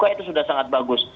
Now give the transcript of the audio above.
itu sudah sangat bagus